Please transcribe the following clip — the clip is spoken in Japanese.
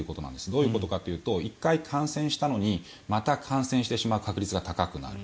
どういうことかというと１回感染したのにまた感染してしまう確率が高くなる。